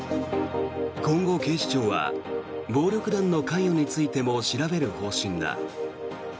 今後、警視庁は暴力団の関与についても調べる方針だ。